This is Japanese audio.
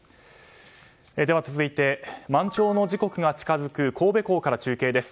続いて満潮の時刻が近づく神戸港から中継です。